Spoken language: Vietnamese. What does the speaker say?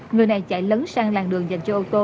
người này chạy lấn sang làn đường dành cho ô tô